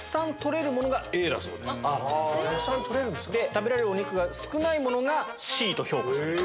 食べられるお肉が少ないものがＣと評価される。